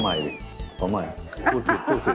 ขอใหม่พูดผิด